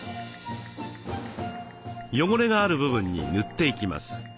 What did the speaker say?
汚れがある部分に塗っていきます。